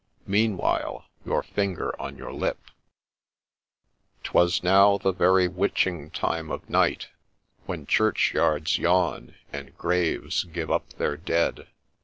Meanwhile your finger on your lip I '' 'Twas now the very witching time of night, When churchyards yawn, and graves give up their dead.'